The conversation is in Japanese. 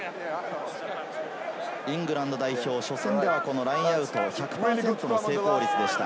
イングランド代表、初戦ではラインアウト、１００％の成功率でした。